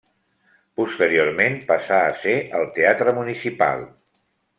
Posteriorment passà a ser el teatre municipal.